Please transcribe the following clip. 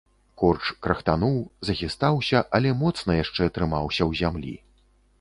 Корч крахтануў, захістаўся, але моцна яшчэ трымаўся ў зямлі.